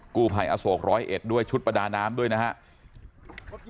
กู้ภัยอโศกร้อยเอ็ดด้วยชุดประดาน้ำด้วยนะครับ